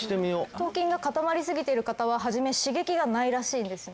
頭筋が固まりすぎている方は初め刺激がないらしいんですね。